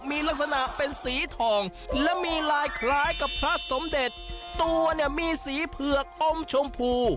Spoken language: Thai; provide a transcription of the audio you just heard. มีลักษณะเป็นสีทองและมีลายคล้ายกับพระสมเด็จตัวเนี่ยมีสีเผือกอมชมพู